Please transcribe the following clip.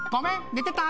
寝てた。